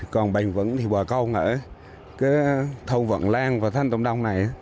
còn bền vững thì bà con ở cái thâu vận lan và thanh tổng đồng này